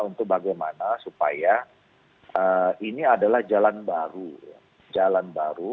untuk bagaimana supaya ini adalah jalan baru